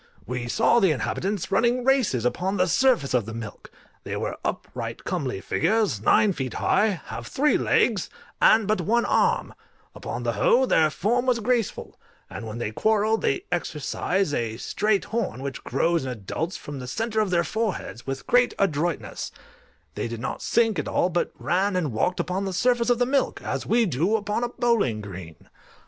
We saw the inhabitants running races upon the surface of the milk: they were upright, comely figures, nine feet high, have three legs, and but one arm; upon the whole, their form was graceful, and when they quarrel, they exercise a straight horn, which grows in adults from the centre of their foreheads, with great adroitness; they did not sink at all, but ran and walked upon the surface of the milk, as we do upon a bowling green.